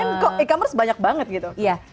kan kok e commerce banyak banget gitu